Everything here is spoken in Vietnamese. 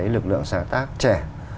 lực lượng sáng tác trẻ